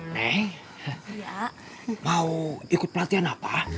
nek mau ikut pelatihan apa